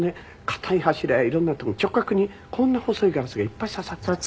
硬い柱や色んな所に直角にこんな細いガラスがいっぱい刺さっているの。